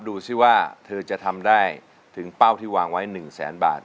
ดูสิว่าเธอจะทำได้ถึงเป้าที่วางไว้๑แสนบาท